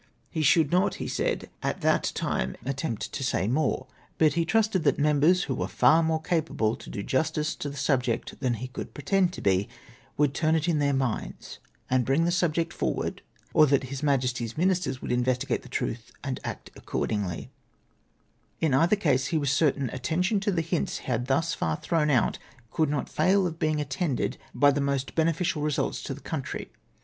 He should not, he said, at that time attempt to say more ; but he trusted that members who were far more capable to do jus tice to the subject than he could pretend to be, would turn it in their minds, and bring the subject forward, or that His Majesty's ministers would investigate the truth and act accord ingl}^ In either case he was certain attention to the hints he had thus thrown out could not fail of being attended by the most beneficial results to the country.